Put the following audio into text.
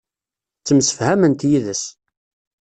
Ttemsefhament yid-s.